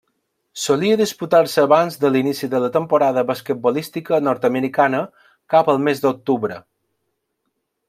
Solia disputar-se abans de l'inici de la temporada basquetbolística nord-americana, cap al mes d'octubre.